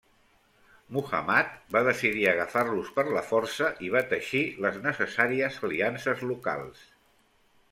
Muhammad va decidir agafar-los per la força i va teixir les necessàries aliances locals.